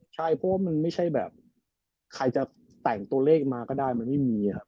ใช่เพราะว่ามันไม่ใช่แบบใครจะแต่งตัวเลขมาก็ได้มันไม่มีครับ